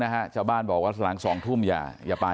๒นะคะเจ้าบ้านบอกว่าหลัง๒ทุ่มอย่าไป